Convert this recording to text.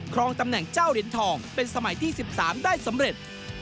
ครองตำแหน่งเจ้าเหรียญทองเป็นสมัยที่๑๓ได้สำเร็จ